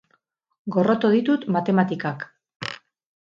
Gorroto ditut matematikak.